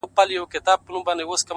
راسه دروې ښيم ـ